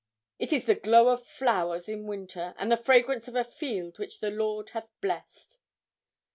It is the glow of flowers in winter, and the fragrance of a field which the Lord hath blessed.'